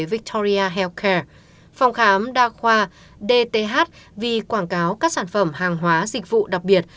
victoria healthcare phòng khám đa khoa dth vì quảng cáo các sản phẩm hàng hóa dịch vụ đặc biệt